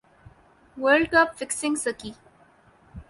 world cup fixing سکی